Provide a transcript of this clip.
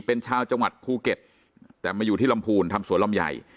เป็นชาวจังหวัดภูเก็ตแต่มาอยู่ที่ลำพูนทำสวนลำใหญ่